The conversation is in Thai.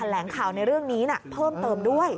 แหลงข่าวในเรื่องนี้เพิ่มเติมด้วย